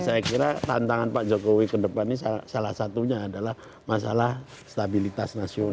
saya kira tantangan pak jokowi kedepannya salah satunya adalah masalah stabilitas nasional